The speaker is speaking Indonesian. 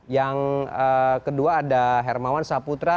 yang kedua ada hermawan saputra